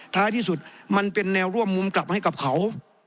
ท้ายที่สุดมันเป็นแนวร่วมมุมกลับให้กับเขา